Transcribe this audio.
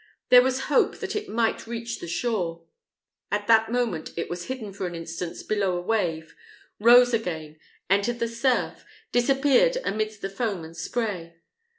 There was hope that it might reach the shore. At that moment it was hidden for an instant below a wave, rose again, entered the surf, disappeared amidst the foam and spray.